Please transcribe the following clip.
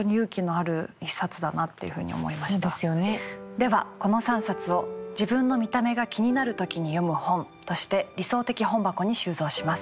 ではこの３冊を「自分の見た目が気になる時に読む本」として理想的本箱に収蔵します。